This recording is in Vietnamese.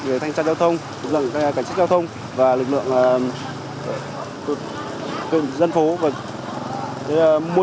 về thanh sát giao thông lực lượng cảnh sát giao thông và lực lượng dân phố